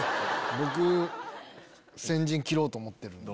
僕先陣切ろうと思ってるんで。